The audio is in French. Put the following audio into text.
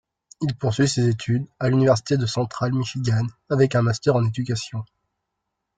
Il poursuit ses études à l'université de Central Michigan avec un master en éducation.